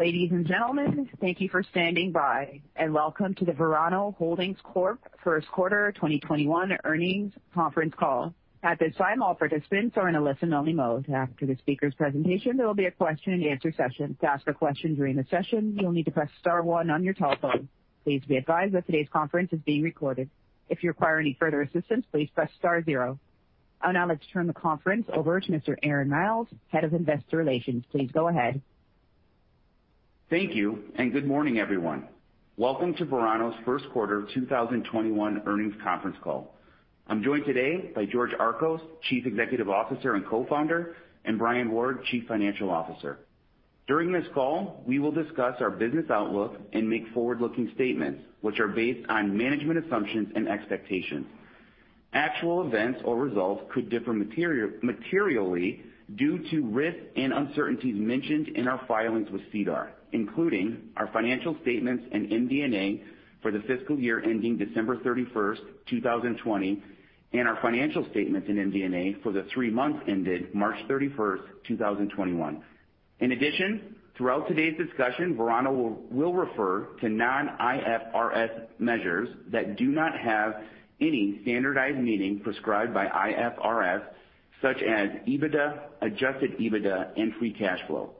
Ladies and gentlemen, thank you for standing by, and welcome to the Verano Holdings Corp First Quarter 2021 Earnings Conference Call. At this time, all participants are in a listen-only mode. After the speaker presentation, there will be a question-and-answer session. To ask a question during the session, you will need to press star one on your telephone. Please be advised that today's conference is being recorded. If you require any further assistance, please press star zero. I will now turn the conference over to Mr. Aaron Miles, Head of Investor Relations. Please go ahead. Thank you, good morning everyone? Welcome to Verano's first quarter of 2021 earnings conference call. I'm joined today by George Archos, Chief Executive Officer and Co-Founder, and Brian Ward, Chief Financial Officer. During this call, we will discuss our business outlook and make forward-looking statements which are based on management assumptions and expectations. Actual events or results could differ materially due to risks and uncertainties mentioned in our filings with SEDAR, including our financial statements and MD&A for the fiscal year ending December 31, 2020, and our financial statements and MD&A for the three months ended March 31, 2021. In addition, throughout today's discussion, Verano will refer to non-IFRS measures that do not have any standardized meaning prescribed by IFRS, such as EBITDA, adjusted EBITDA, and free cash flow.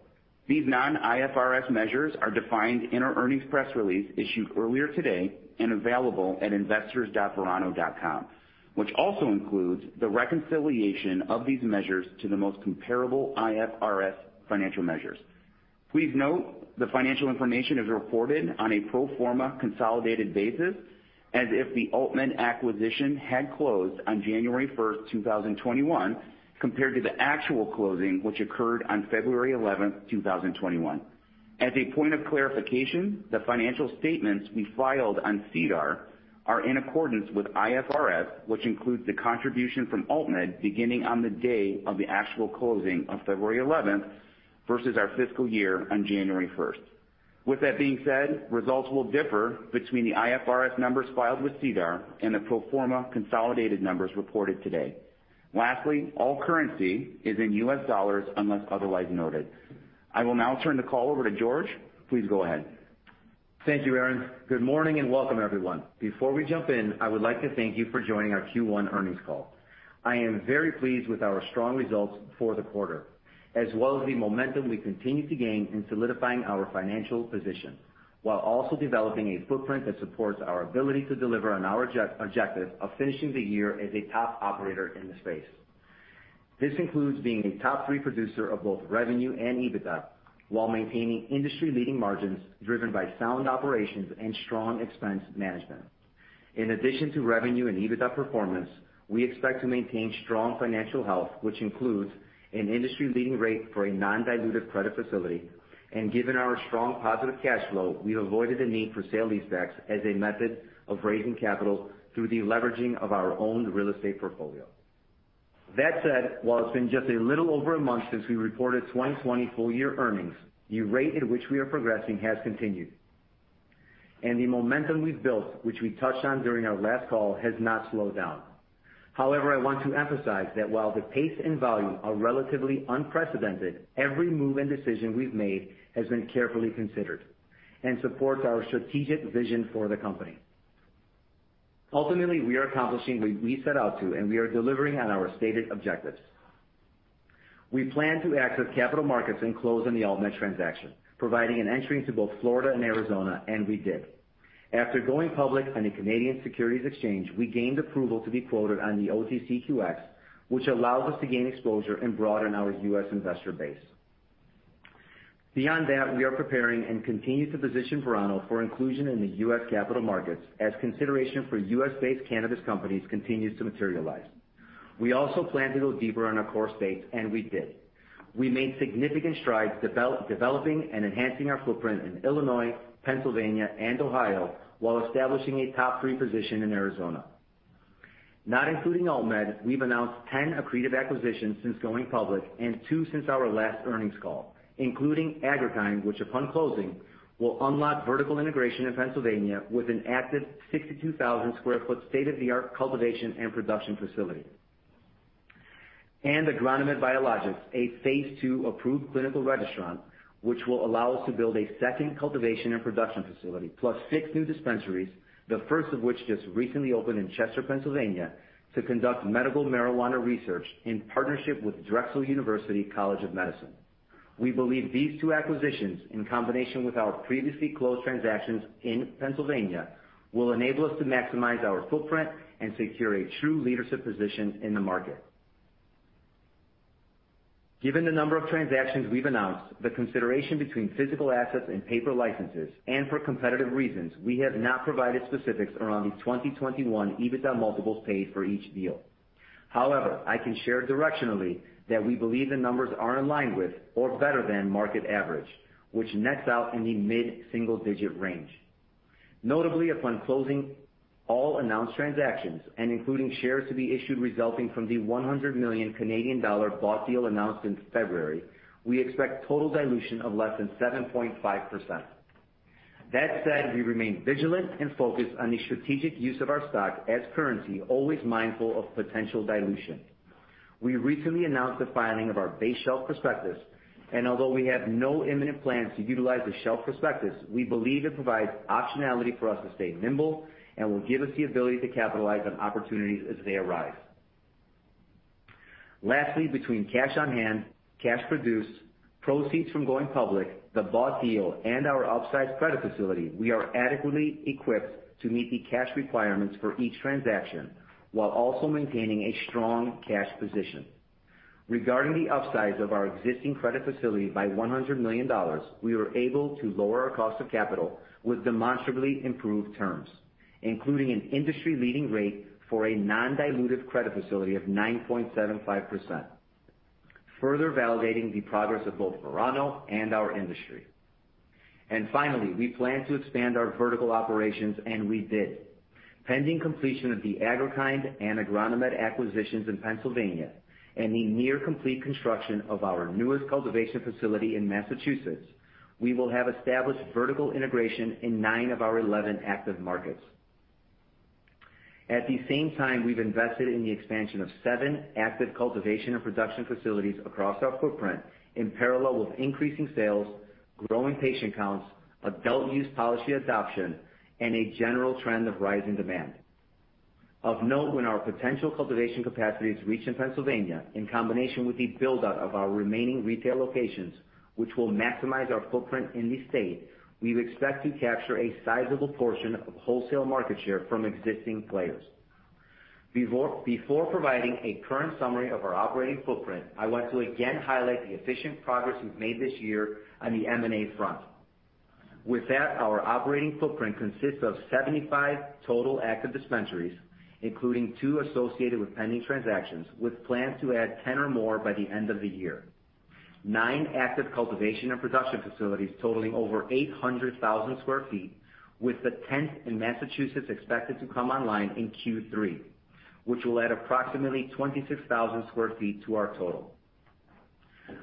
These non-IFRS measures are defined in our earnings press release issued earlier today and available at investors.verano.com, which also includes the reconciliation of these measures to the most comparable IFRS financial measures. Please note, the financial information is reported on a pro forma consolidated basis, and if the AltMed acquisition had closed on January 1, 2021, compared to the actual closing, which occurred on February 11, 2021. As a point of clarification, the financial statements we filed on SEDAR are in accordance with IFRS, which includes the contribution from AltMed beginning on the day of the actual closing on February 11 versus our fiscal year on January 1. With that being said, results will differ between the IFRS numbers filed with SEDAR and the pro forma consolidated numbers reported today. Lastly, all currency is in U.S. dollars unless otherwise noted. I will now turn the call over to George.Please go ahead. Thank you, Aaron. Good morning and welcome, everyone? Before we jump in, I would like to thank you for joining our Q1 earnings call. I am very pleased with our strong results for the quarter, as well as the momentum we continue to gain in solidifying our financial position, while also developing a footprint that supports our ability to deliver on our objective of finishing the year as a top operator in the space. This includes being a top three producer of both revenue and EBITDA, while maintaining industry-leading margins driven by sound operations and strong expense management. In addition to revenue and EBITDA performance, we expect to maintain strong financial health, which includes an industry-leading rate for a non-dilutive credit facility. Given our strong positive cash flow, we avoided the need for sale-leasebacks as a method of raising capital through the leveraging of our own real estate portfolio. That said, while it's been just a little over a month since we reported 2020 full-year earnings, the rate at which we are progressing has continued, and the momentum we've built, which we touched on during our last call, has not slowed down. However, I want to emphasize that while the pace and value are relatively unprecedented, every move and decision we've made has been carefully considered and supports our strategic vision for the company. Ultimately, we are accomplishing what we set out to, and we are delivering on our stated objectives. We plan to access capital markets and close on the AltMed transaction, providing an entry to both Florida and Arizona, and we did. After going public on the Canadian Securities Exchange, we gained approval to be quoted on the OTCQX, which allowed us to gain exposure and broaden our U.S. investor base. Beyond that, we are preparing and continue to position Verano for inclusion in the U.S. capital markets as consideration for U.S.-based cannabis companies continues to materialize. We also plan to go deeper in our core states, and we did. We made significant strides developing and enhancing our footprint in Illinois, Pennsylvania, and Ohio while establishing a top three position in Arizona. Not including AltMed, we've announced 10 accretive acquisitions since going public and two since our last earnings call, including Agri-Kind, which upon closing, will unlock vertical integration in Pennsylvania with an active 62,000 sq ft state-of-the-art cultivation and production facility. Agronomed Biologics, a phase II approved clinical registrant, which will allow us to build a second cultivation and production facility, plus six new dispensaries, the first of which just recently opened in Chester, Pennsylvania, to conduct medical marijuana research in partnership with Drexel University College of Medicine. We believe these two acquisitions, in combination with our previously closed transactions in Pennsylvania, will enable us to maximize our footprint and secure a true leadership position in the market. Given the number of transactions we've announced, the consideration between physical assets and paper licenses, and for competitive reasons, we have not provided specifics around the 2021 EBITDA multiples paid for each deal. However, I can share directionally that we believe the numbers are in line with or better than market average, which nets out in the mid-single-digit range. Notably, upon closing all announced transactions and including shares to be issued resulting from the 100 million Canadian dollar bought deal announced in February, we expect total dilution of less than 7.5%. That said, we remain vigilant and focused on the strategic use of our stock as currency, always mindful of potential dilution. We recently announced the filing of our base shelf prospectus, we believe it provides optionality for us to stay nimble and will give us the ability to capitalize on opportunities as they arise. Lastly, between cash on hand, cash produced, proceeds from going public, the bought deal, and our upsized credit facility, we are adequately equipped to meet the cash requirements for each transaction, while also maintaining a strong cash position. Regarding the upsize of our existing credit facility by $100 million, we were able to lower our cost of capital with demonstrably improved terms, including an industry-leading rate for a non-dilutive credit facility of 9.75%, further validating the progress of both Verano and our industry. Finally, we plan to expand our vertical operations, and we did. Pending completion of the Agri-Kind and Agronomed acquisitions in Pennsylvania and the near complete construction of our newest cultivation facility in Massachusetts, we will have established vertical integration in nine of our 11 active markets. At the same time, we've invested in the expansion of seven active cultivation and production facilities across our footprint in parallel with increasing sales, growing patient counts, adult use policy adoption, and a general trend of rising demand. Of note, when our potential cultivation capacity is reached in Pennsylvania, in combination with the build-out of our remaining retail locations, which will maximize our footprint in the state, we expect to capture a sizable portion of wholesale market share from existing players. Before providing a current summary of our operating footprint, I want to again highlight the efficient progress we've made this year on the M&A front. With that, our operating footprint consists of 75 total active dispensaries, including two associated with pending transactions, with plans to add 10 or more by the end of the year. Nine active cultivation and production facilities totaling over 800,000 sq ft, with the 10th in Massachusetts expected to come online in Q3, which will add approximately 26,000 sq ft to our total.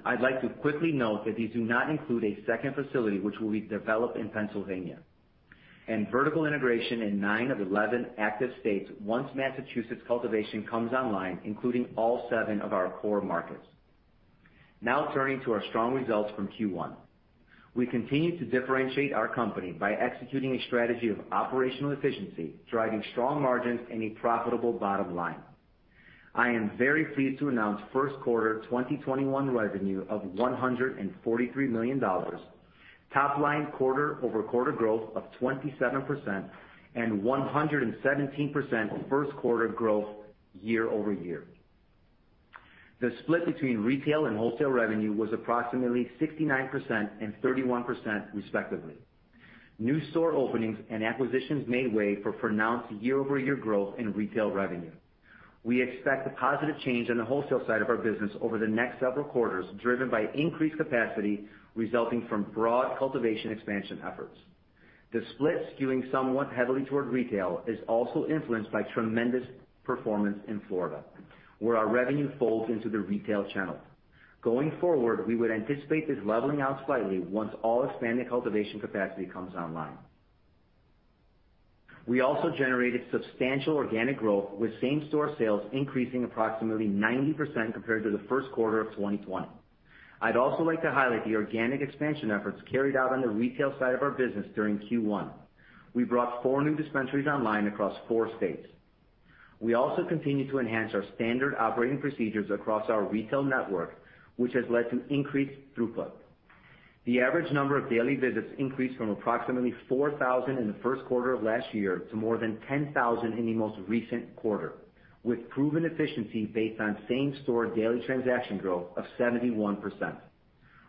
I'd like to quickly note that these do not include a second facility which will be developed in Pennsylvania. Vertical integration in nine of 11 active states once Massachusetts cultivation comes online, including all seven of our core markets. Turning to our strong results from Q1. We continue to differentiate our company by executing a strategy of operational efficiency, driving strong margins and a profitable bottom line. I am very pleased to announce first quarter 2021 revenue of $143 million, top line quarter-over-quarter growth of 27%, 117% first quarter growth year-over-year. The split between retail and wholesale revenue was approximately 69% and 31%, respectively. New store openings and acquisitions made way for pronounced year-over-year growth in retail revenue. We expect a positive change on the wholesale side of our business over the next several quarters, driven by increased capacity resulting from broad cultivation expansion efforts. The split skewing somewhat heavily toward retail is also influenced by tremendous performance in Florida, where our revenue folds into the retail channel. Going forward, we would anticipate this leveling out slightly once all expanded cultivation capacity comes online. We also generated substantial organic growth, with same-store sales increasing approximately 90% compared to the first quarter of 2020. I'd also like to highlight the organic expansion efforts carried out on the retail side of our business during Q1. We brought four new dispensaries online across four states. We also continue to enhance our standard operating procedures across our retail network, which has led to increased throughput. The average number of daily visits increased from approximately 4,000 in the first quarter of last year to more than 10,000 in the most recent quarter, with proven efficiency based on same-store daily transaction growth of 71%.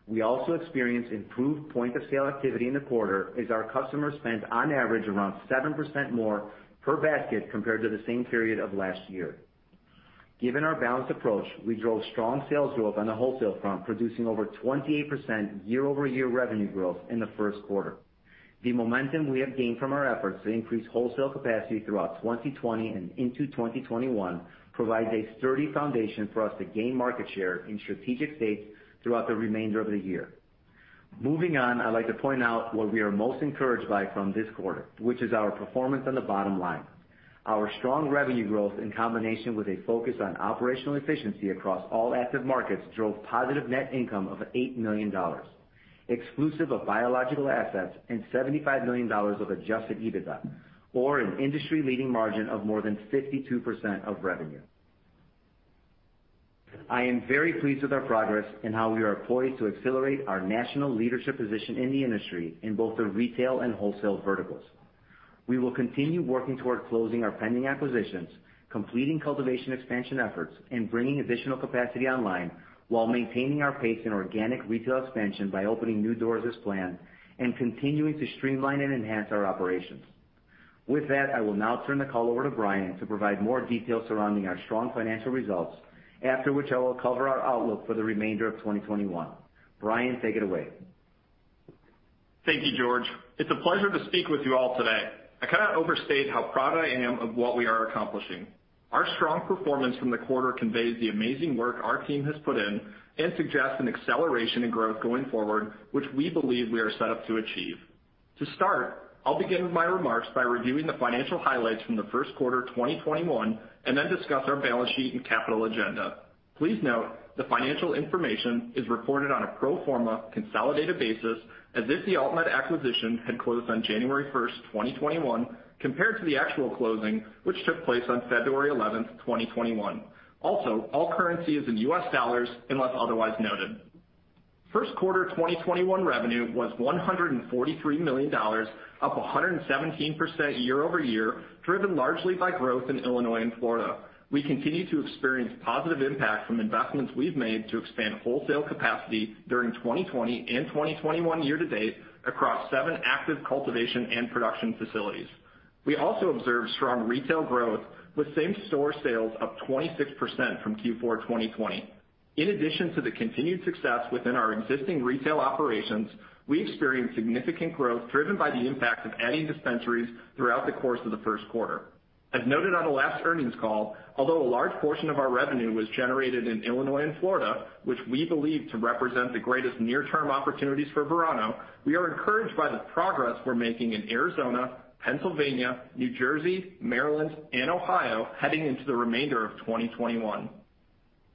We also experienced improved point-of-sale activity in the quarter as our customers spent on average around 7% more per basket compared to the same period of last year. Given our balanced approach, we drove strong sales growth on the wholesale front, producing over 28% year-over-year revenue growth in the first quarter. The momentum we have gained from our efforts to increase wholesale capacity throughout 2020 and into 2021 provides a sturdy foundation for us to gain market share in strategic states throughout the remainder of the year. Moving on, I'd like to point out what we are most encouraged by from this quarter, which is our performance on the bottom line. Our strong revenue growth in combination with a focus on operational efficiency across all active markets drove positive net income of $8 million, exclusive of biological assets and $75 million of adjusted EBITDA, or an industry-leading margin of more than 52% of revenue. I am very pleased with our progress and how we are poised to accelerate our national leadership position in the industry in both the retail and wholesale verticals. We will continue working toward closing our pending acquisitions, completing cultivation expansion efforts, and bringing additional capacity online while maintaining our pace in organic retail expansion by opening new doors as planned and continuing to streamline and enhance our operations. With that, I will now turn the call over to Brian to provide more details surrounding our strong financial results, after which I will cover our outlook for the remainder of 2021. Brian, take it away. Thank you, George. It's a pleasure to speak with you all today. I cannot overstate how proud I am of what we are accomplishing. Our strong performance from the quarter conveys the amazing work our team has put in and suggests an acceleration in growth going forward, which we believe we are set up to achieve. To start, I'll begin my remarks by reviewing the financial highlights from first quarter 2021, and then discuss our balance sheet and capital agenda. Please note, the financial information is reported on a pro forma consolidated basis as if the AltMed acquisition had closed on January 1, 2021, compared to the actual closing, which took place on February 11, 2021. Also, all currency is in U.S. dollars, unless otherwise noted. Q1 2021 revenue was $143 million, up 117% year-over-year, driven largely by growth in Illinois and Florida. We continue to experience positive impact from investments we've made to expand wholesale capacity during 2020 and 2021 year-to-date across seven active cultivation and production facilities. We also observed strong retail growth, with same-store sales up 26% from Q4 2020. In addition to the continued success within our existing retail operations, we experienced significant growth driven by the impact of adding dispensaries throughout the course of the first quarter. As noted on our last earnings call, although a large portion of our revenue was generated in Illinois and Florida, which we believe to represent the greatest near-term opportunities for Verano, we are encouraged by the progress we're making in Arizona, Pennsylvania, New Jersey, Maryland, and Ohio heading into the remainder of 2021.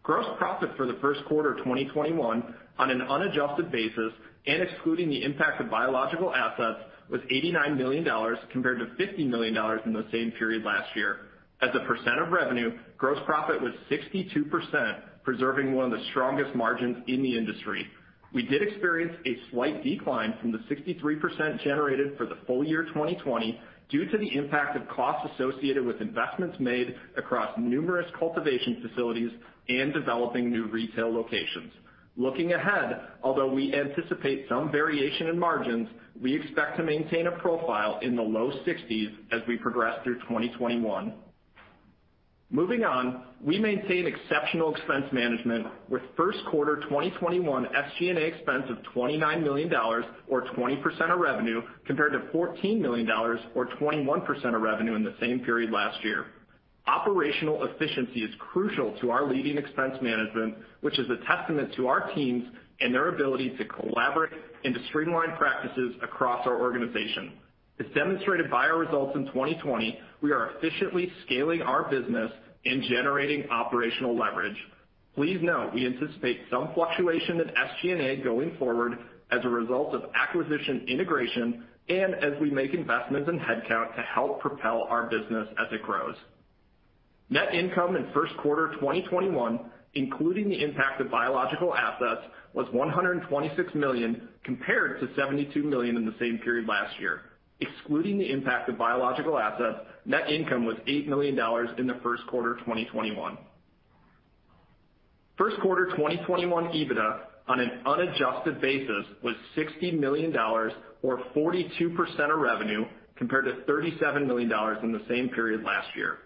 Gross profit for the first quarter 2021 on an unadjusted basis, and excluding the impact of biological assets, was $89 million compared to $50 million in the same period last year. As a percent of revenue, gross profit was 62%, preserving one of the strongest margins in the industry. We did experience a slight decline from the 63% generated for the full year 2020 due to the impact of costs associated with investments made across numerous cultivation facilities and developing new retail locations. Looking ahead, although we anticipate some variation in margins, we expect to maintain a profile in the low 60s% as we progress through 2021. Moving on, we maintain exceptional expense management with first quarter 2021 SG&A expense of $29 million or 20% of revenue, compared to $14 million or 21% of revenue in the same period last year. Operational efficiency is crucial to our leading expense management, which is a testament to our teams and their ability to collaborate and to streamline practices across our organization. As demonstrated by our results in 2020, we are efficiently scaling our business and generating operational leverage. Please note, we anticipate some fluctuation in SG&A going forward as a result of acquisition integration and as we make investments in headcount to help propel our business as it grows. Net income in first quarter 2021, including the impact of biological assets, was $126 million compared to $72 million in the same period last year. Excluding the impact of biological assets, net income was $8 million in the first quarter 2021. First quarter 2021 EBITDA on an unadjusted basis was $60 million or 42% of revenue, compared to $37 million in the same period last year.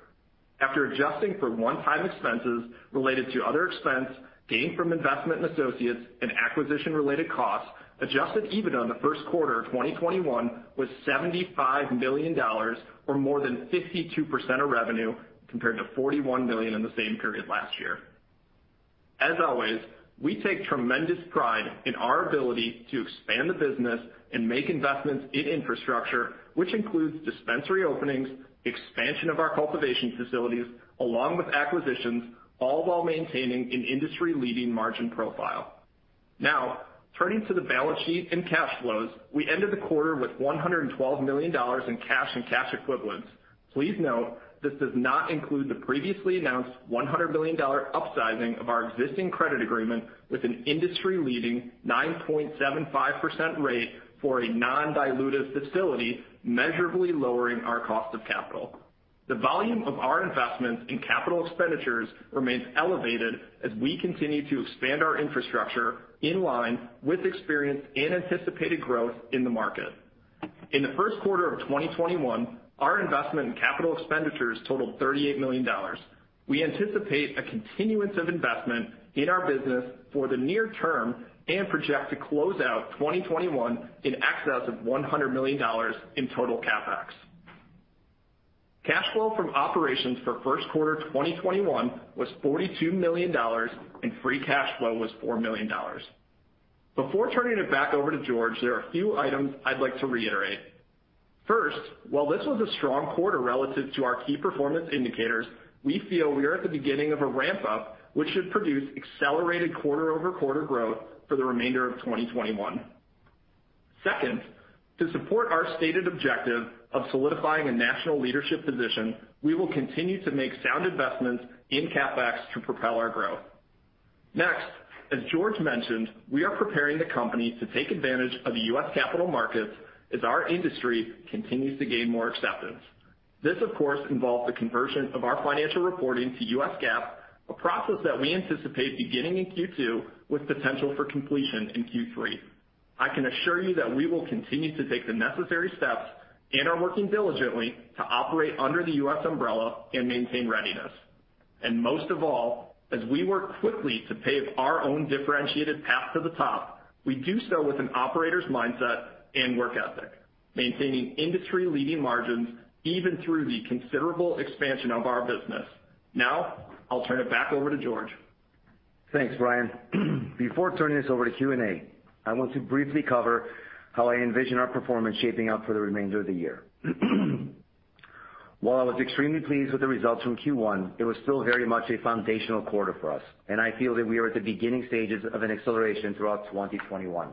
After adjusting for one-time expenses related to other expense gained from investment in associates and acquisition-related costs, adjusted EBITDA in the first quarter of 2021 was $75 million or more than 52% of revenue, compared to $41 million in the same period last year. As always, we take tremendous pride in our ability to expand the business and make investments in infrastructure, which includes dispensary openings, expansion of our cultivation facilities, along with acquisitions, all while maintaining an industry-leading margin profile. Now, turning to the balance sheet and cash flows, we ended the quarter with $112 million in cash and cash equivalents. Please note, this does not include the previously announced $100 million upsizing of our existing credit agreement with an industry-leading 9.75% rate for a non-dilutive facility, measurably lowering our cost of capital. The volume of our investments in capital expenditures remains elevated as we continue to expand our infrastructure in line with experienced and anticipated growth in the market. In first quarter 2021, our investment in capital expenditures totaled $38 million. We anticipate a continuance of investment in our business for the near term and project to close out 2021 in excess of $100 million in total CapEx. Cash flow from operations for first quarter 2021 was $42 million, and free cash flow was $4 million. Before turning it back over to George, there are a few items I'd like to reiterate. First, while this was a strong quarter relative to our key performance indicators, we feel we are at the beginning of a ramp-up, which should produce accelerated quarter-over-quarter growth for the remainder of 2021. Second, to support our stated objective of solidifying a national leadership position, we will continue to make sound investments in CapEx to propel our growth. Next, as George mentioned, we are preparing the company to take advantage of the U.S. capital markets as our industry continues to gain more acceptance. This, of course, involves the conversion of our financial reporting to U.S. GAAP, a process that we anticipate beginning in Q2 with potential for completion in Q3. I can assure you that we will continue to take the necessary steps and are working diligently to operate under the U.S. umbrella and maintain readiness. Most of all, as we work quickly to pave our own differentiated path to the top, we do so with an operator's mindset and work ethic, maintaining industry-leading margins even through the considerable expansion of our business. Now, I'll turn it back over to George. Thanks, Brian. Before turning this over to Q&A, I want to briefly cover how I envision our performance shaping up for the remainder of the year. While I was extremely pleased with the results from Q1, it was still very much a foundational quarter for us, and I feel that we are at the beginning stages of an acceleration throughout 2021.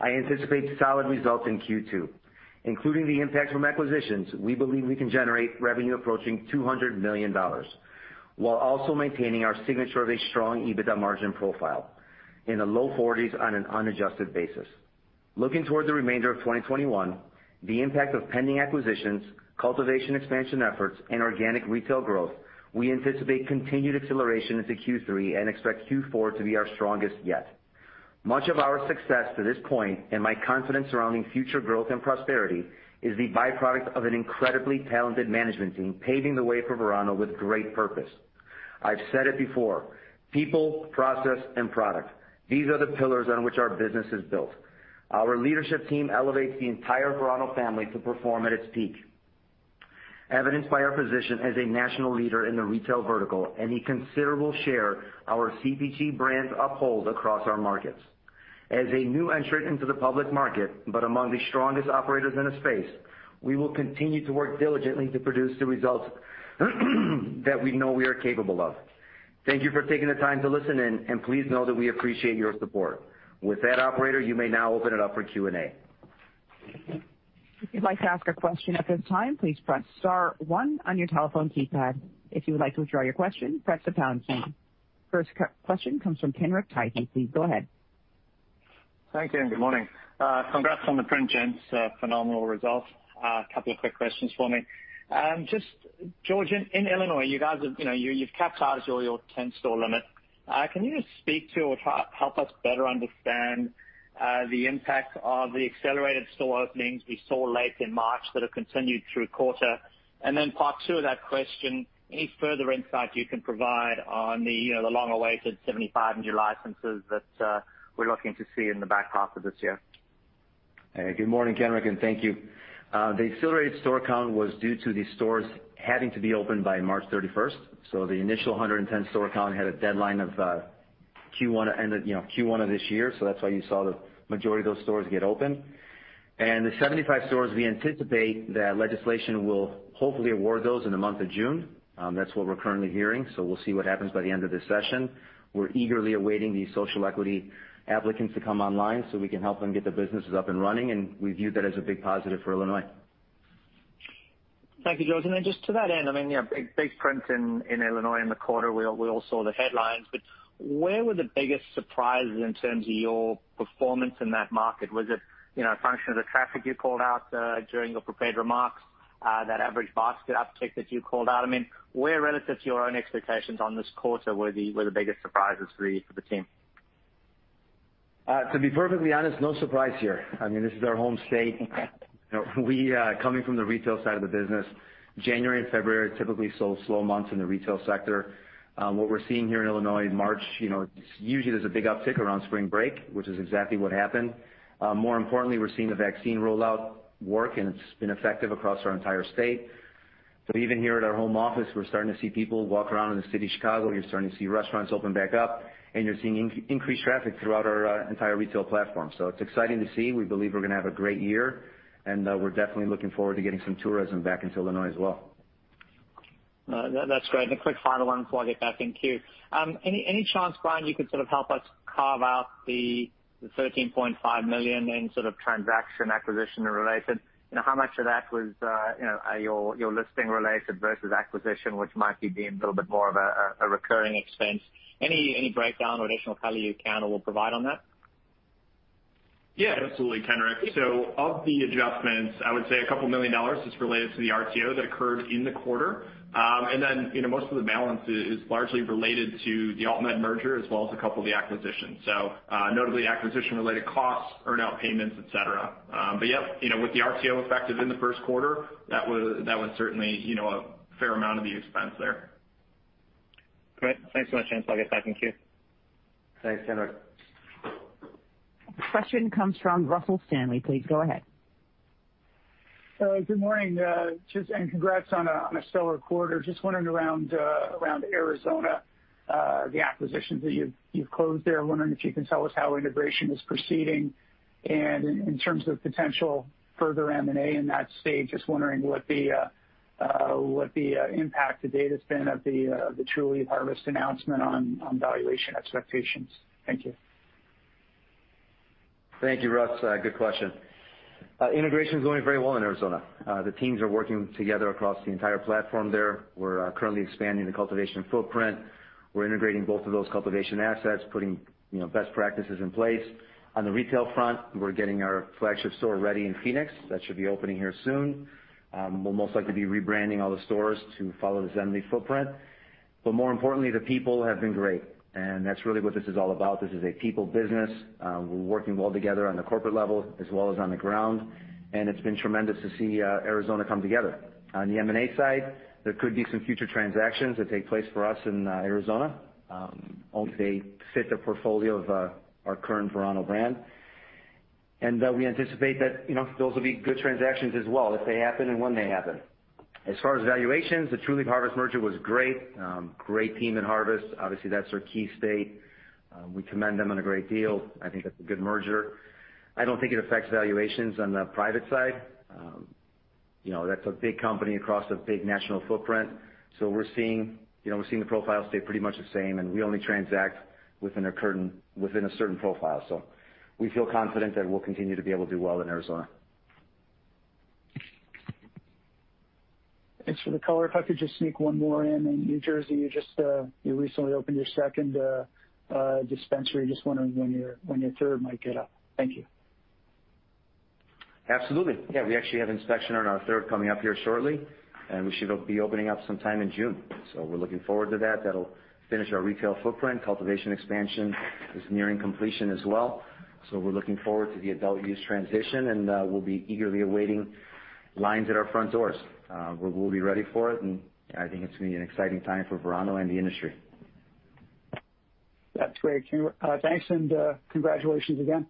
I anticipate solid results in Q2. Including the impact from acquisitions, we believe we can generate revenue approaching $200 million, while also maintaining our signature of a strong EBITDA margin profile in the low 40s% on an unadjusted basis. Looking toward the remainder of 2021, the impact of pending acquisitions, cultivation expansion efforts, and organic retail growth, we anticipate continued acceleration into Q3 and expect Q4 to be our strongest yet. Much of our success to this point, and my confidence surrounding future growth and prosperity, is the byproduct of an incredibly talented management team paving the way for Verano with great purpose. I've said it before, people, process, and product. These are the pillars on which our business is built. Our leadership team elevates the entire Verano family to perform at its peak, evidenced by our position as a national leader in the retail vertical and the considerable share our CPG brands uphold across our markets. As a new entrant into the public market, but among the strongest operators in the space, we will continue to work diligently to produce the results that we know we are capable of. Thank you for taking the time to listen in, and please know that we appreciate your support. With that, operator, you may now open it up for Q&A. If you would like to ask a question at this time please press star one on your telephone keypad. If you would like to withdraw your question press the pound key. First question comes from Kenric Tyghe, please go ahead. Thank you, and good morning? Congrats on the print, gents. Phenomenal results. A couple of quick questions for me. George, in Illinois, you guys have capitalized all your 10-store limit. Can you just speak to or help us better understand the impact of the accelerated store openings we saw late in March that have continued through the quarter? Part two of that question, any further insight you can provide on the long-awaited 75 licenses that we're looking to see in the back half of this year? Good morning, Kenric, and thank you. The accelerated store count was due to the stores having to be opened by March 31. The initial 110-store count had a deadline of Q1 of this year, so that's why you saw the majority of those stores get opened. The 75 licenses, we anticipate that legislation will hopefully award those in the month of June. That's what we're currently hearing, so we'll see what happens by the end of this session. We're eagerly awaiting the social equity applicants to come online so we can help them get their businesses up and running, and we view that as a big positive for Illinois. Thank you, George. Just to that end, big prints in Illinois in the quarter. We all saw the headlines. Where were the biggest surprises in terms of your performance in that market? Was it a function of the traffic you called out during your prepared remarks, that average basket uptick that you called out? Where relative to your own expectations on this quarter were the biggest surprises for the team? To be perfectly honest, no surprise here. This is our home state. We, coming from the retail side of the business, January and February are typically slow months in the retail sector. What we're seeing here in Illinois in March, usually there's a big uptick around spring break, which is exactly what happened. More importantly, we're seeing the vaccine rollout work and it's been effective across our entire state. Even here at our home office, we're starting to see people walk around in the city of Chicago. You're starting to see restaurants open back up, and you're seeing increased traffic throughout our entire retail platform. It's exciting to see. We believe we're going to have a great year, and we're definitely looking forward to getting some tourism back into Illinois as well. No, that's great. A quick final one for you, if I may, thank you. Any chance, Brian, you could sort of help us carve out the $13.5 million transaction acquisition related? How much of that was your listing related versus acquisition, which might be deemed a bit more of a recurring expense? Any breakdown or additional color your account will provide on that? Yeah, absolutely, Kenric. Of the adjustments, I would say a couple million dollars is related to the RTO that occurred in the quarter. Most of the balance is largely related to the AltMed merger as well as a couple of the acquisitions. Notably acquisition-related costs, earn-out payments, et cetera. Yeah, with the RTO effective in the first quarter, that was certainly a fair amount of the expense there. Great. Thanks so much. I'll get back in queue. Thanks, Kenric. Question comes from Russell Stanley, please go ahead. Good morning, and congrats on a stellar quarter. Just wondering around Arizona, the acquisitions that you've closed there, I'm wondering if you can tell us how integration is proceeding, and in terms of potential further M&A in that state, just wondering what the impact to date has been of the Trulieve Harvest announcement on valuation expectations? Thank you. Thank you, Russ. Good question. Integration is going very well in Arizona. The teams are working together across the entire platform there. We're currently expanding the cultivation footprint. We're integrating both of those cultivation assets, putting best practices in place. On the retail front, we're getting our flagship store ready in Phoenix. That should be opening here soon. We'll most likely be rebranding all the stores to follow the Zen Leaf footprint. More importantly, the people have been great, and that's really what this is all about. This is a people business. We're working well together on the corporate level as well as on the ground, and it's been tremendous to see Arizona come together. On the M&A side, there could be some future transactions that take place for us in Arizona. Obviously, they fit the portfolio of our current Verano brand. And we anticipate that those will be good transactions as well, if they happen and when they happen. As far as valuations, the Trulieve Harvest merger was great. Great team in Harvest. Obviously, that's our key state. We commend them on a great deal. I think that's a good merger. I don't think it affects valuations on the private side. That's a big company across a big national footprint. We're seeing the profile stay pretty much the same, and we only transact within a certain profile. We feel confident that we'll continue to be able to do well in Arizona. Thanks for the color. If I could just sneak one more in. In New Jersey, you recently opened your second dispensary. Just wondering when your third might get up. Thank you. Absolutely. Yeah, we actually have inspection on our third coming up here shortly, and we should be opening up sometime in June. We're looking forward to that. That'll finish our retail footprint. Cultivation expansion is nearing completion as well. We're looking forward to the adult use transition, and we'll be eagerly awaiting lines at our front doors. We'll be ready for it, and I think it's going to be an exciting time for Verano and the industry. That's great. Thanks, and congratulations again.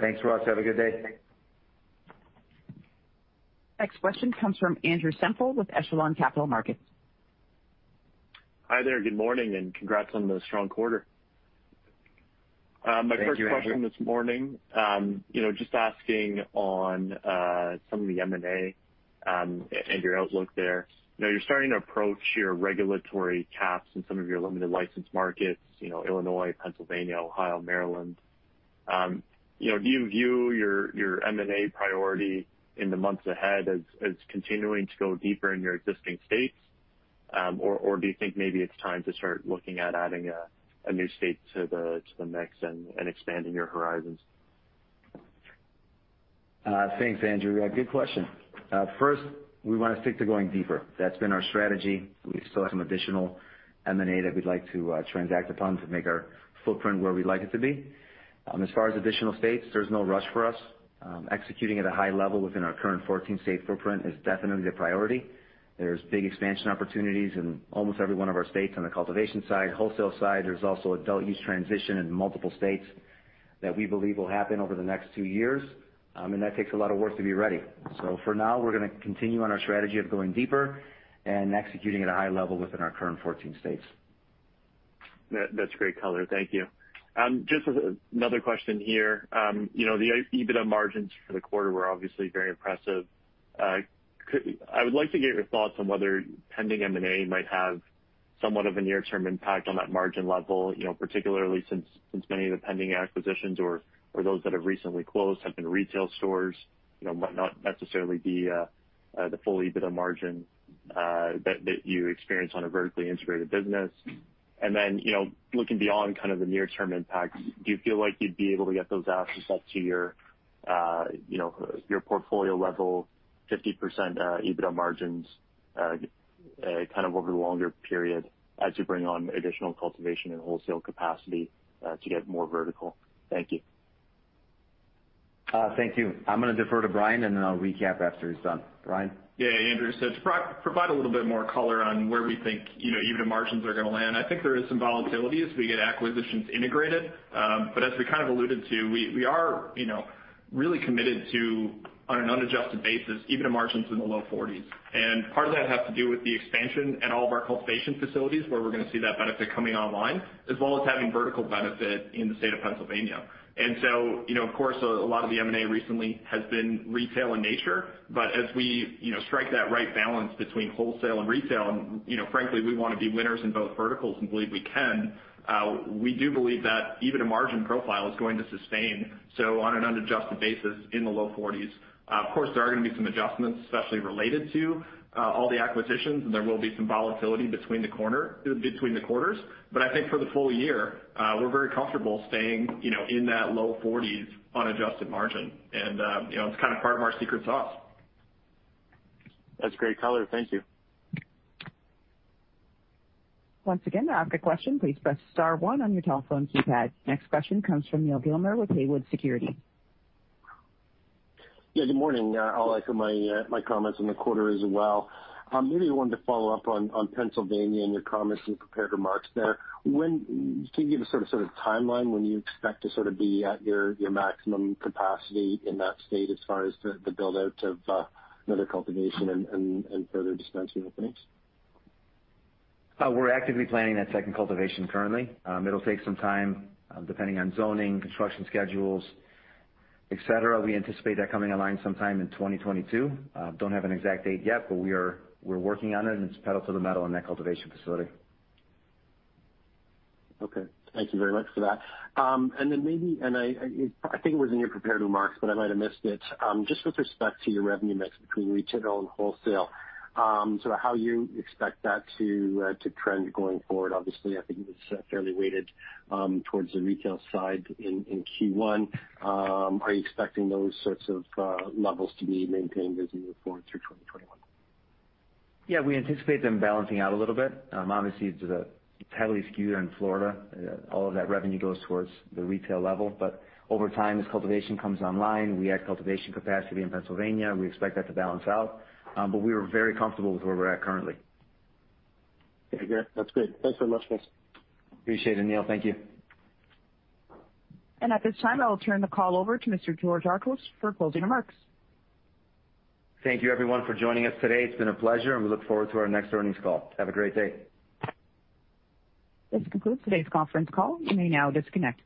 Thanks, Russ. Have a good day. Next question comes from Andrew Semple with Echelon Capital Markets. Hi there. Good morning, and congrats on the strong quarter. Thank you, Andrew. My first question this morning, just asking on some of the M&A and your outlook there. You're starting to approach your regulatory caps in some of your limited license markets, Illinois, Pennsylvania, Ohio, Maryland. Do you view your M&A priority in the months ahead as continuing to go deeper in your existing states? Do you think maybe it's time to start looking at adding a new state to the mix and expanding your horizons? Thanks, Andrew. Good question. First, we want to stick to going deeper. That's been our strategy. We still have some additional M&A that we'd like to transact upon to make our footprint where we'd like it to be. As far as additional states, there's no rush for us. Executing at a high level within our current 14-state footprint is definitely the priority. There's big expansion opportunities in almost every one of our states on the cultivation side, wholesale side. There's also adult use transition in multiple states that we believe will happen over the next two years, and that takes a lot of work to be ready. For now, we're going to continue on our strategy of going deeper and executing at a high level within our current 14 states. That's great color. Thank you. Just another question here. The EBITDA margins for the quarter were obviously very impressive. I would like to get your thoughts on whether pending M&A might have somewhat of a near-term impact on that margin level, particularly since many of the pending acquisitions or those that have recently closed have been retail stores, might not necessarily be the full EBITDA margin that you experience on a vertically integrated business. Looking beyond kind of the near-term impact, do you feel like you'd be able to get those assets up to your portfolio level, 50% EBITDA margins, kind of over the longer period as you bring on additional cultivation and wholesale capacity to get more vertical? Thank you. Thank you. I'm going to defer to Brian, then I'll recap after he's done. Brian? Andrew. To provide a little bit more color on where we think EBITDA margins are going to land, I think there is some volatility as we get acquisitions integrated. As we kind of alluded to, we are really committed to, on an unadjusted basis, EBITDA margins in the low 40s%. Part of that has to do with the expansion at all of our cultivation facilities, where we're going to see that benefit coming online, as well as having vertical benefit in the state of Pennsylvania. Of course, a lot of the M&A recently has been retail in nature, as we strike that right balance between wholesale and retail, frankly, we want to be winners in both verticals and believe we can, we do believe that EBITDA margin profile is going to sustain, so on an unadjusted basis, in the low 40s%. Of course, there are going to be some adjustments, especially related to all the acquisitions, and there will be some volatility between the quarters. I think for the full year, we're very comfortable staying in that low 40s% unadjusted margin. It's kind of part of our secret sauce. That's great color. Thank you. Once again, to ask a question, please press star one on your telephone keypad. Next question comes from Neal Gilmer with Haywood Securities. Yeah, good morning? I'll echo my comments on the quarter as well. Really wanted to follow up on Pennsylvania and your comments and prepared remarks there. Can you give a sort of timeline when you expect to sort of be at your maximum capacity in that state as far as the build-out of another cultivation and further dispensary openings? We're actively planning that second cultivation currently. It'll take some time, depending on zoning, construction schedules, et cetera. We anticipate that coming online sometime in 2022. Don't have an exact date yet, but we're working on it, and it's pedal to the metal on that cultivation facility. Okay. Thank you very much for that. Maybe, I think it was in your prepared remarks, but I might have missed it. Just with respect to your revenue mix between retail and wholesale, sort of how you expect that to trend going forward. Obviously, I think it was fairly weighted towards the retail side in Q1. Are you expecting those sorts of levels to be maintained as we move forward through 2021? We anticipate them balancing out a little bit. Obviously, it's heavily skewed in Florida. All of that revenue goes towards the retail level. Over time, as cultivation comes online, we add cultivation capacity in Pennsylvania. We expect that to balance out. We are very comfortable with where we're at currently. That's great. Thanks so much, folks. Appreciate it, Neal. Thank you. At this time, I will turn the call over to Mr. George Archos for closing remarks. Thank you, everyone, for joining us today. It has been a pleasure, and we look forward to our next earnings call. Have a great day. This concludes today's conference call, you may now disconnect.